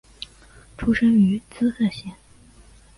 出身于滋贺县。